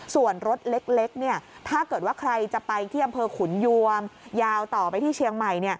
ส่วนรถเล็กถ้าเกิดว่าใครจะไปที่อำเภอขุนยวมยาวต่อไปที่เชียงใหม่